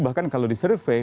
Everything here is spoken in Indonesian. bahkan kalau disurvey